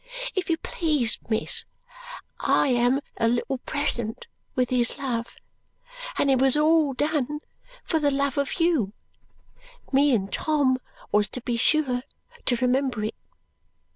If you please, miss, I am a little present with his love, and it was all done for the love of you. Me and Tom was to be sure to remember it."